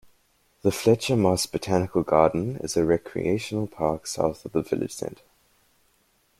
The Fletcher Moss Botanical Garden is a recreational park south of the village centre.